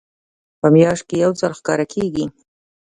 په میاشت کې یو ځل ښکاره کیږي.